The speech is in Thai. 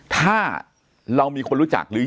ถ้าเรามีคนรู้จักหรือ